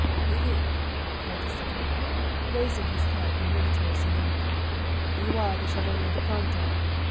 " Qui vivef " cried the sick man, raising his head in military salute. " You are the Chevalier de Planto?